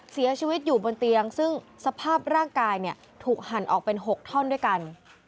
เสียชีวิตอยู่บนเตียงซึ่งสภาพร่างกายเนี่ยถูกหั่นออกเป็น๖ท่อนด้วยกัน